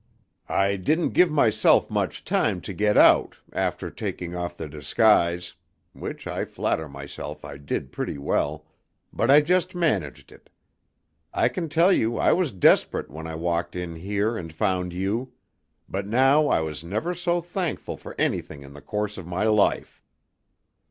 I didn't give myself much time to get out, after taking off the disguise (which I flatter myself I did pretty well), but I just managed it. I can tell you I was desperate when I walked in here and found you; but now I was never so thankful for anything in the course of my life."